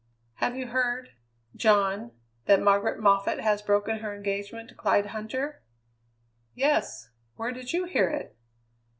"Have you heard John, that Margaret Moffatt has broken her engagement to Clyde Huntter?" "Yes. Where did you hear it?"